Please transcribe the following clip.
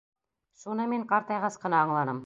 Шуны мин ҡартайғас ҡына аңланым.